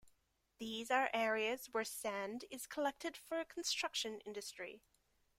These are areas were sand is collected for construction industry.